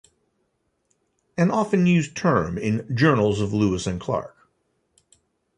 An often used term in Journals of Lewis and Clark.